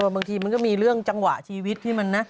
บางทีมันก็มีเรื่องจังหวะชีวิตพี่มันนะ